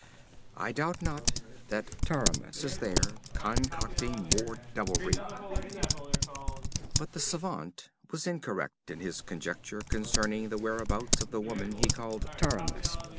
I doubt not that Taramis is there, concocting more devilry.' But the savant was incorrect in his conjecture concerning the whereabouts of the woman he called Taramis.